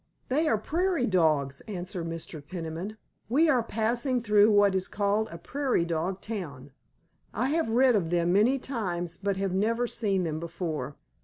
"They are prairie dogs," answered Mr. Peniman. "We are passing through what is called a 'prairie dog town.' I have read of them many times, but have never seen them before."